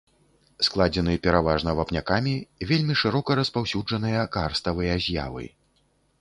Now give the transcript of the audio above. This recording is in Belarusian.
Складзены пераважна вапнякамі, вельмі шырока распаўсюджаныя карставыя з'явы.